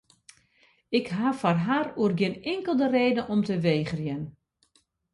Ik ha foar har oer gjin inkelde reden om te wegerjen.